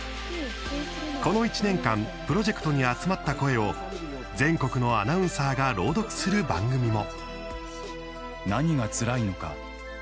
この１年間プロジェクトに集まった声を全国のアナウンサーが朗読する番組も。